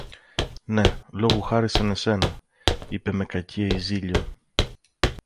Ναι, λόγου χάρη σαν εσένα, είπε με κακία η Ζήλιω.